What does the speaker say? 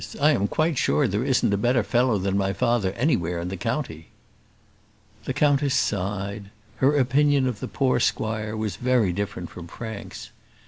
I am quite sure there isn't a better fellow than father anywhere in the county." The countess sighed. Her opinion of the poor squire was very different from Frank's.